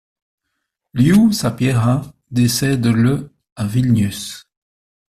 Lew Sapieha décède le à Vilnius.